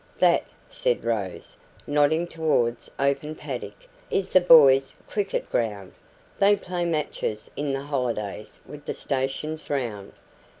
"That," said Rose, nodding towards open paddock, "is the boys' cricket ground. They play matches in the holidays with the stations round.